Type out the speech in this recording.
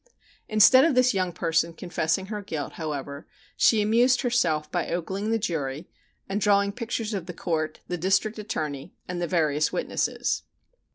Instead of this young person confessing her guilt, however, she amused herself by ogling the jury and drawing pictures of the Court, the District Attorney and the various witnesses.